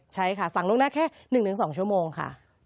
ใช่ค่ะสั่งล่วงหน้าแค่๑๒ชั่วโมงค่ะ